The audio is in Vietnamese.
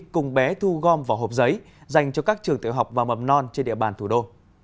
cùng bé thu gom vào hộp giấy dành cho các trường tiểu học và mầm non trên địa bàn thủ đô